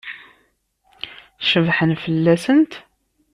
Cebḥen fell-asent?